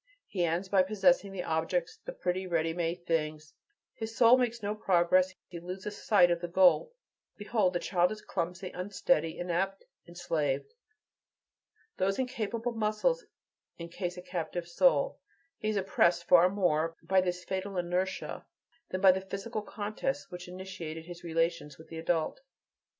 He ends by possessing the objects, the pretty, ready made things; his soul makes no progress; he loses sight of the goal. Behold the child clumsy, unsteady, inept, enslaved! Those incapable muscles encase a captive soul. He is oppressed far more by this fatal inertia than by the physical contests which initiated his relations with the adult.